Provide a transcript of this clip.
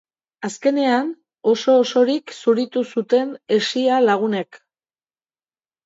Azkenean, oso-osorik zuritu zuten hesia lagunek.